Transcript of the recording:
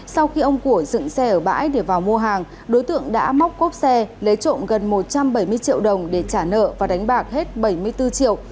sau khi ông của dựng xe ở bãi để vào mua hàng đối tượng đã móc cốp xe lấy trộm gần một trăm bảy mươi triệu đồng để trả nợ và đánh bạc hết bảy mươi bốn triệu